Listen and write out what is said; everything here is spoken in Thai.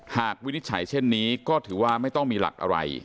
วินิจฉัยเช่นนี้ก็ถือว่าไม่ต้องมีหลักอะไร